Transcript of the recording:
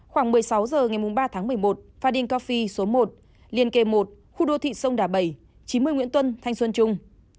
khoảng một mươi sáu h ngày ba tháng một mươi một fadin cafi số một liên kề một khu đô thị sông đà bảy chín mươi nguyễn tuân thanh xuân trung